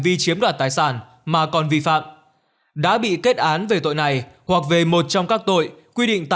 vi chiếm đoạt tài sản mà còn vi phạm đã bị kết án về tội này hoặc về một trong các tội quy định